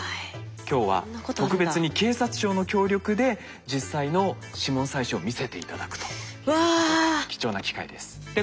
今日は特別に警察庁の協力で実際の指紋採取を見せて頂くということで貴重な機会です。わ。